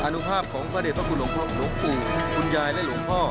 อนุภาพของพระเด็จพระคุณหลวงปู่คุณยายและหลวงพ่อ